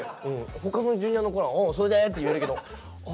他のＪｒ．の子なら「それで？」って言えるけどあ